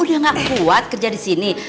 udah gak kuat kerja di sini